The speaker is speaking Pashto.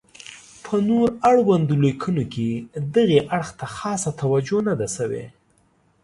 په نور اړوندو لیکنو کې دغې اړخ ته خاصه توجه نه ده شوې.